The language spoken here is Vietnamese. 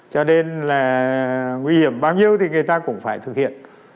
cho nên là nguy hiểm bao nhiêu thì người ta cũng phải thực hiện